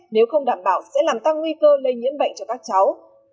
nếu không đảm bảo sẽ làm tăng nguy cơ lây nhiễm bệnh cho các cháu